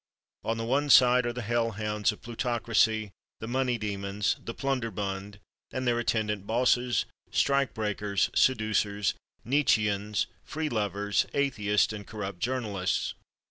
On the one side are the Hell Hounds of Plutocracy, the Money Demons, the Plunderbund, and their attendant Bosses, Strike Breakers, Seducers, Nietzscheans, Free Lovers, Atheists and Corrupt Journalists.